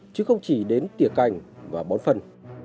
chứ không chỉ đến tiệc cành và bón phân